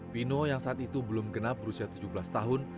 pino yang saat itu belum genap berusia tujuh belas tahun